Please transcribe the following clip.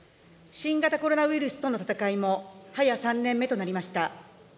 新型コロナウイルスとの戦いも早３年目となりました。